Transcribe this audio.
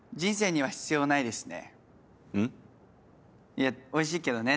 いやおいしいけどね